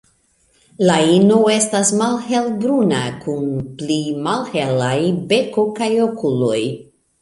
La ino estas malhelbruna kun pli malhelaj beko kaj okuloj.